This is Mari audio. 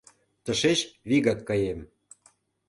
Тышеч вигак каем.